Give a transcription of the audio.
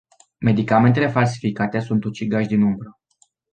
Medicamentele falsificate sunt ucigași din umbră.